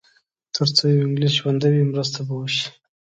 تر څو یو انګلیس ژوندی وي مرسته به وشي.